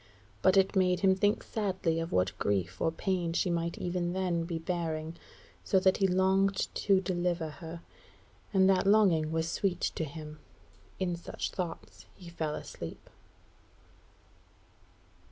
But it made him think sadly of what grief or pain she might even then be bearing, so that he longed to deliver her, and that longing was sweet to him. In such thoughts he fell asleep.